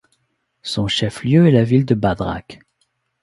Son chef-lieu est la ville de Bhadrak.